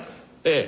ええ。